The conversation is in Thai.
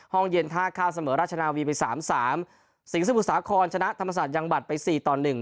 ห้องเย็นท่าข้ามเสมอราชนาวีไปสามสามสิงสมุทรสาครชนะธรรมศาสตร์ยังบัตรไปสี่ต่อหนึ่ง